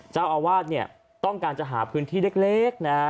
เจ้าอาวาสเนี่ยต้องการจะหาพื้นที่เล็กนะฮะ